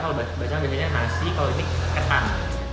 kalau bacang biasanya nasi kalau ini ketan